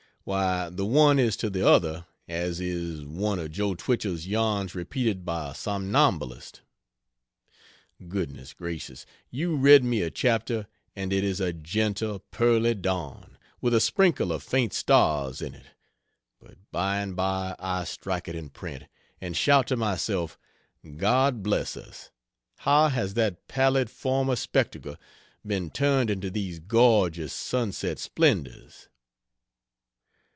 Why, the one is to the other as is one of Joe Twichell's yarns repeated by a somnambulist. Goodness gracious, you read me a chapter, and it is a gentle, pearly dawn, with a sprinkle of faint stars in it; but by and by I strike it in print, and shout to myself, "God bless us, how has that pallid former spectacle been turned into these gorgeous sunset splendors!"